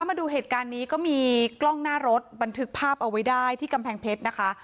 มาดูเหตุการณ์นี้ก็มีกล้องหน้ารถบันทึกภาพเอาไว้ได้ที่กำแพงเพชรนะคะ